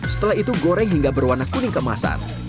setelah itu goreng hingga berwarna kuning kemasan